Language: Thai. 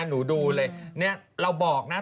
ดูเลยเนี่ยเราบอกนะ